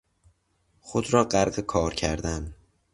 خود را غرق کار کردن